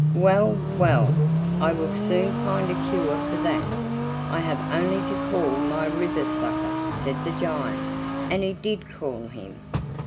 "Well, well, I will soon find a cure for that; I have only to call my river sucker," said the giant, and he did call him.